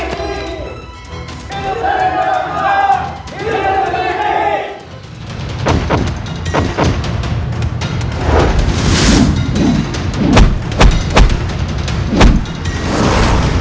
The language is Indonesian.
hidup dari diri kita